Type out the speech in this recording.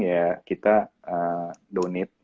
ya kita donate